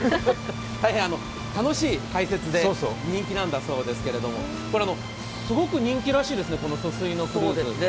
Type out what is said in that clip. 大変楽しい解説で人気なんだそうですけれどもすごく人気らしいですね。